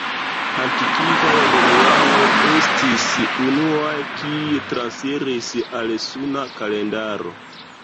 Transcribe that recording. Antikvaj Romianoj estis unuaj, kiuj transiris al Suna kalendaro.